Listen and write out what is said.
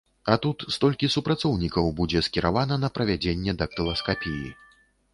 А тут столькі супрацоўнікаў будзе скіравана на правядзенне дактыласкапіі.